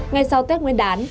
ngay sau tết nguyên đán